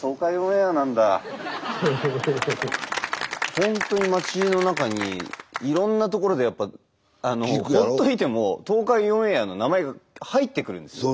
本当に街の中にいろんなところでほっといても東海オンエアの名前が入ってくるんですよ。